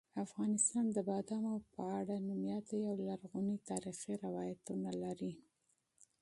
افغانستان د بادامو په اړه مشهور او لرغوني تاریخي روایتونه لري.